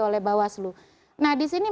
oleh bawaslu nah disini